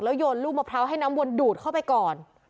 โยนลูกมะพร้าวให้น้ำวนดูดเข้าไปก่อน